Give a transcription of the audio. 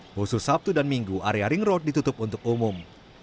khusus sabtu dan minggu area ring road ditutup untuk umum